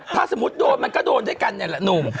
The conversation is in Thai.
ถ้าสมมุติโดนมันก็โดนด้วยกันนี่แหละหนุ่ม